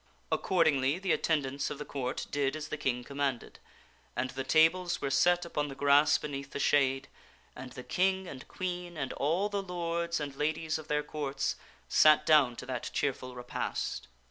Accordingly the attendants of the Court did as the King commanded, and the tables were set upon the grass beneath the shade, and the King and Queen and all the lords and ladies of their Courts sat down to that cheerful repast.